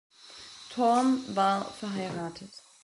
Thorn war verheiratet.